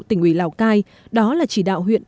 tỉnh ủy lào cai đó là chỉ đạo huyện